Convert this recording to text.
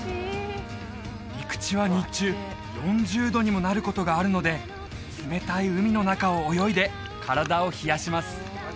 陸地は日中４０度にもなることがあるので冷たい海の中を泳いで体を冷やします